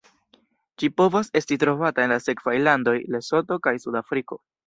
Ĝi povas esti trovata en la sekvaj landoj: Lesoto kaj Sudafriko.